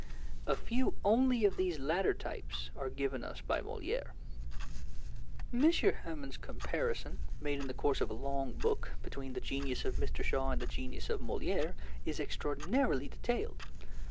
A few only of these latter types are given us by Molière. M. Hamon's comparison, made in the course of a long book, between the genius of Mr. Shaw and the genius of Molière is extraordinarily detailed.